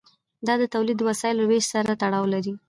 دا د تولید د وسایلو له ویش سره تړاو لري.